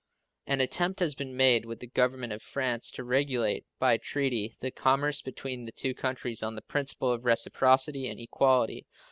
An attempt has been made with the Government of France to regulate by treaty the commerce between the two countries on the principle of reciprocity and equality.